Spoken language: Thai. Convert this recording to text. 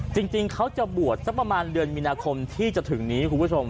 จริงเขาจะบวชสักประมาณเดือนมีนาคมที่จะถึงนี้คุณผู้ชม